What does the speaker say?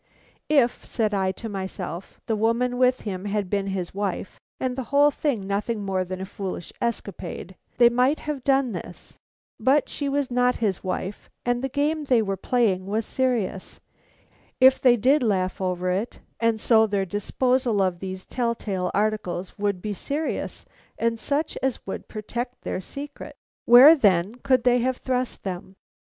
"If," said I to myself, "the woman with him had been his wife and the whole thing nothing more than a foolish escapade, they might have done this; but she was not his wife, and the game they were playing was serious, if they did laugh over it, and so their disposal of these tell tale articles would be serious and such as would protect their secret. Where, then, could they have thrust them?"